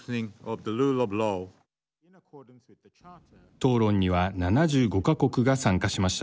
討論には７５か国が参加しました。